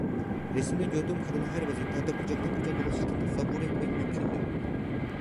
Resimde gördüğüm kadını her vaziyette, hatta kucaktan kucağa dolaşırken tasavvur etmek mümkündü.